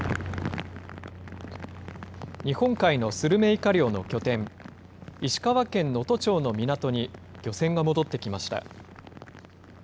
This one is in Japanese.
日本海のスルメイカ漁の拠点、石川県能登町の港に漁船が戻ってきました。